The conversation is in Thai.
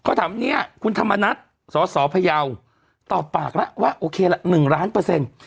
เขาถามเนี่ยคุณธรรมนัดสอสอพยาวตอบปากละวะโอเคละ๑ล้านเปอร์เซ็นต์